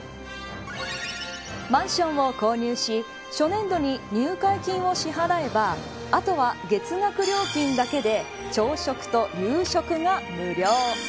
マンションを購入し初年度に入会金を支払えばあとは月額料金だけで朝食と夕食が無料。